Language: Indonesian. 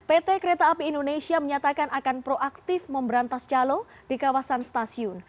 pt kereta api indonesia menyatakan akan proaktif memberantas calo di kawasan stasiun